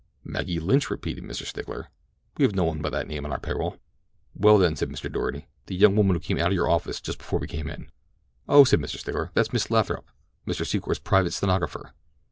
"Maggie Lynch?" repeated Mr. Stickler. "We have no one by that name on our pay roll." "Well, then," said Mr. Doarty, "the young woman who came out of your office just before we came in?" "Oh," said Mr. Stickler, "that is Miss Lathrop—Mr. Secor's private stenographer."